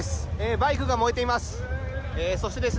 バイクが燃えています。